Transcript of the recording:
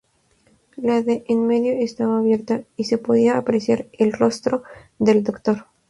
La de en medio estaba abierta y se podía apreciar el rostro del doctor.